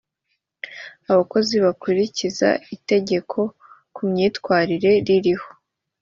abakozi bakurikiza itegeko ku myitwarire ririho